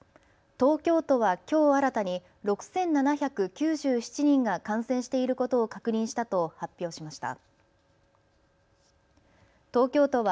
東京都はきょう新たに６７９７人が感染していることを確認したと発表しました。